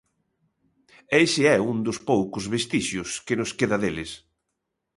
E ese é un dos poucos vestixios que nos queda deles.